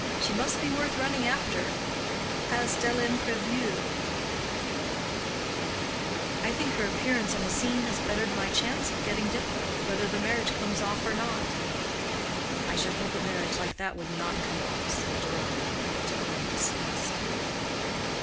She must be worth running after—has de l'imprévu. I think her appearance on the scene has bettered my chance of getting Diplow, whether the marriage comes off or not." "I should hope a marriage like that would not come off," said Deronda, in a tone of disgust.